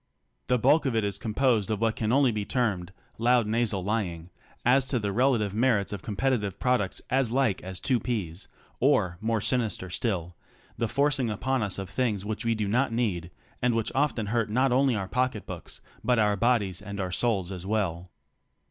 The bulk of it is composed of what can only be termed loud nasal lying as to the relative merits of competitive products as like as two peas, or, more sinister still, the forcing 15 upon us of things which we do not need, and which often hurt not only our pocketbooks, but our bodies and our souls as well.